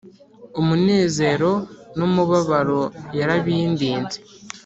Umunezero n’umubabaro yarabindinze